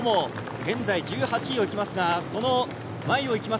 現在１８位をいきますがその前をいきます